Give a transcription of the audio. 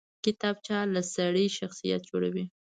کتابچه له سړي شخصیت جوړوي